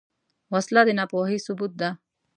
وسله د ناپوهۍ ثبوت ده